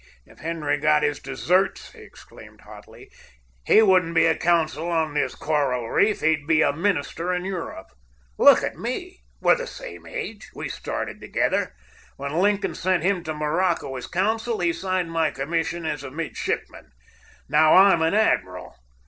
If Henry got his deserts," he exclaimed hotly, "he wouldn't be a consul on this coral reef; he'd be a minister in Europe. Look at me! We're the same age. We started together. When Lincoln sent him to Morocco as consul, he signed my commission as a midshipman. Now I'm an admiral.